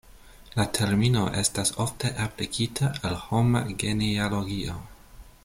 La termino estas ofte aplikita al homa genealogio.